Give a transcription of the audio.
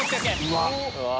うわっ！